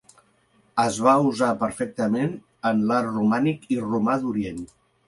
Es va usar preferentment en l'art romànic i romà d'Orient.